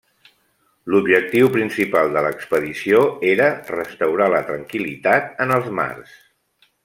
L'objectiu principal de l'expedició era restaurar la tranquil·litat en els mars.